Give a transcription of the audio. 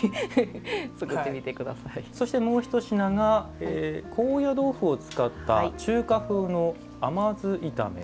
そして、もう一品が高野豆腐を使った中華風の甘酢炒め。